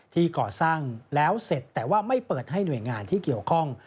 ที่ก่อสร้างแล้วเสร็จแต่ว่าไม่เปิดให้หน่วยงานที่เกี่ยวข้อง